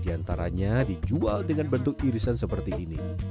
enam puluh diantaranya dijual dengan bentuk irisan seperti ini